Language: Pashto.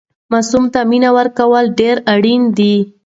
ماسوم ته مینه ورکول ډېر اړین دي.